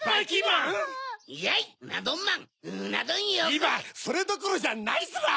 いまそれどころじゃないヅラ！